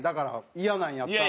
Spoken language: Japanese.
イヤなんやったら。